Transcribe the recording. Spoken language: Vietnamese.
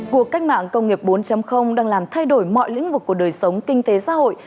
cuộc cách mạng công nghiệp bốn đang làm thay đổi mọi lĩnh vực của đời sống kinh tế xã hội